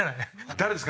誰ですか？